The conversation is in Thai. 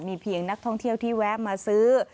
มีเพียงนักท่องเที่ยวที่แวะมาซื้อ